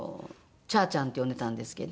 チャーちゃんって呼んでたんですけど。